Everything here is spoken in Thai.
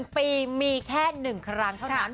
๑ปีมีแค่๑ครั้งเท่านั้น